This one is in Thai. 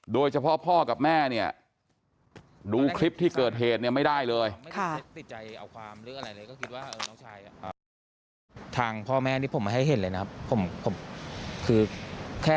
โดยเฉพาะพ่อกับแม่เนี่ยดูคลิปที่เกิดเหตุเนี่ยไม่ได้เลย